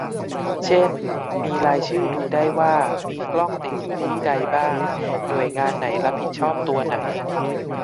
เช่น มีรายชื่อดูได้ว่ามีกล้องติดอยู่ที่ใดบ้าง หน่วยงานไหนรับผิดชอบตัวไหน